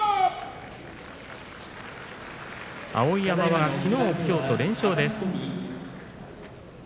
碧山はきのう、きょうと連勝です。